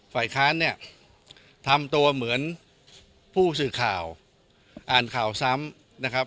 ฝ่ายค้านเนี่ยทำตัวเหมือนผู้สื่อข่าวอ่านข่าวซ้ำนะครับ